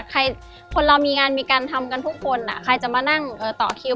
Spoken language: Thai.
ใครคนเรามีงานมีการทำกันทุกคนใครจะมานั่งต่อคิว